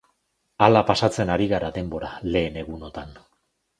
Hala pasatzen ari gara denbora lehen egunotan.